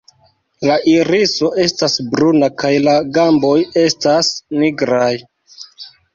La iriso estas bruna kaj la gamboj estas nigraj.